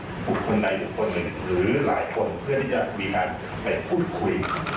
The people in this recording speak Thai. หรือหลายคนเพื่อที่จะมีการไปพูดคุย